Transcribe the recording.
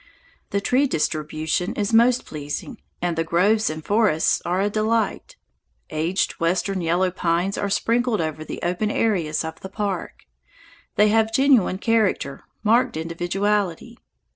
The tree distribution is most pleasing, and the groves and forests are a delight. Aged Western yellow pines are sprinkled over the open areas of the park. They have genuine character, marked individuality.